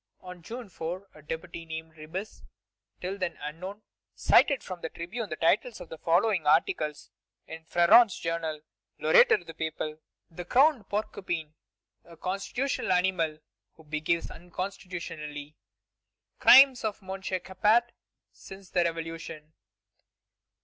On June 4, a deputy named Ribes, till then unknown, cited from the tribune the titles of the following articles in Fréron's journal, l'Orateur du Peuple: "The crowned porcupine, a constitutional animal who behaves unconstitutionally." "Crimes of M. Capet since the Revolution."